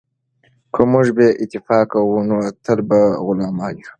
که موږ بې اتفاقه وو نو تل به غلامان وو.